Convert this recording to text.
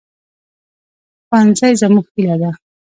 ښوونځی زموږ هیله ده